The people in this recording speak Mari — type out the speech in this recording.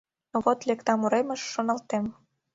Но вот лектам уремыш, шоналтем: